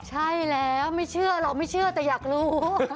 ใช่แล้วไม่เชื่อเราไม่เชื่อแต่อยากรู้